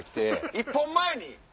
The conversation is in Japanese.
１本前に。